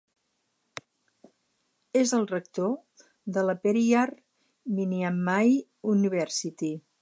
És el rector de la Periyar Maniammai University.